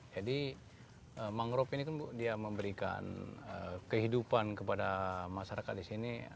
jadi mangrove ini dia memberikan kehidupan kepada masyarakat di sini